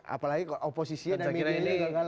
apalagi kalau oposisinya dan miliknya gagal